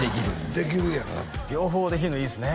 できるやん両方できるのいいですね